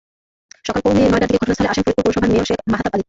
সকাল পৌনে নয়টার দিকে ঘটনাস্থলে আসেন ফরিদপুর পৌরসভার মেয়র শেখ মাহাতাব আলী।